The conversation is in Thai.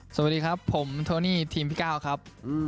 สวัสดีครับผมโทนี่ทีมพี่ก้าวครับ